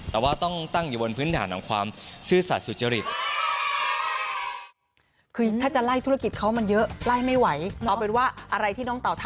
แต่ว่าต้องตั้งอยู่บนพื้นฐานของความซื่อสัตว์สุจริต